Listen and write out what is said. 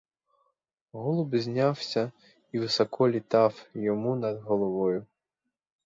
Голуб знявся і високо літав йому над головою.